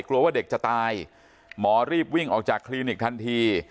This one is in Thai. กลัวว่าเด็กจะตายหมอรีบวิ่งออกจากคลินิกทันที